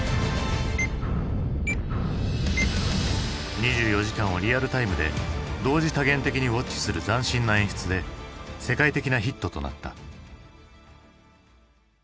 ２４時間をリアルタイムで同時多元的にウォッチする斬新な演出で世界的なヒットとなった。